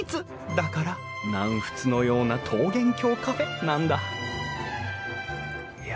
だから「南仏のような桃源郷カフェ」なんだいや